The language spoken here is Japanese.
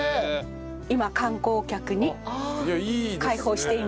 今観光客に開放しています。